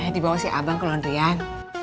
dibawa si abang ke londrian